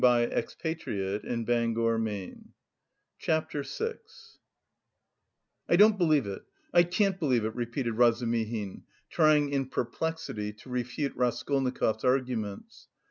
Raskolnikov drew a deep breath. CHAPTER VI "I don't believe it, I can't believe it!" repeated Razumihin, trying in perplexity to refute Raskolnikov's arguments.